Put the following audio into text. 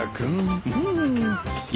うん。